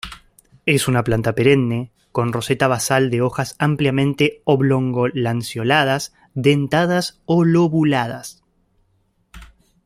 Es una planta perenne con roseta basal de hojas ampliamente oblongo-lanceoladas, dentadas o lobuladas.